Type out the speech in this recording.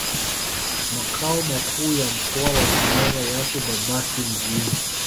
Makao makuu ya mkoa wa Manyara yapo Babati Mjini